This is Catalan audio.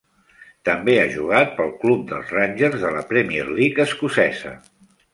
També ha jugat pel club dels Rangers de la Premier League escocesa.